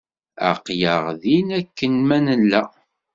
Aql-aɣ din akken ma nella.